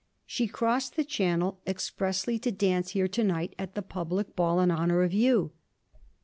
'She crossed the Channel expressly to dance here tonight at the public Ball in honour of you.'